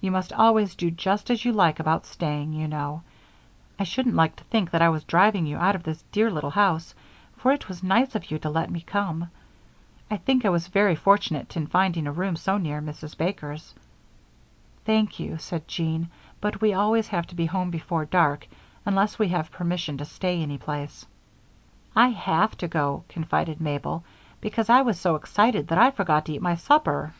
You must always do just as you like about staying, you know; I shouldn't like to think that I was driving you out of this dear little house, for it was nice of you to let me come. I think I was very fortunate in finding a room so near Mrs. Baker's." "Thank you," said Jean, "but we always have to be home before dark unless we have permission to stay any place." "I have to go," confided Mabel, "because I was so excited that I forgot to eat my supper."